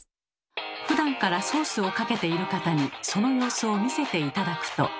ふだんからソースをかけている方にその様子を見せて頂くと。